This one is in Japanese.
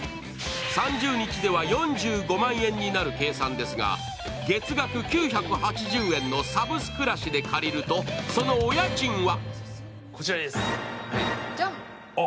３０日では４５万円になる計算ですが、月額９８０円のサブスくらしで借りると、そのお家賃は？